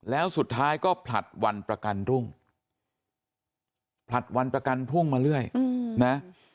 แล้วสุดท้ายก็ผลัดวันประกันรุ่งผลัดวันประกันพรุ่งมาเรื่อยนะ